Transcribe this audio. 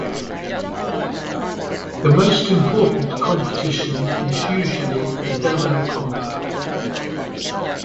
The most important competition is usually the demo compo.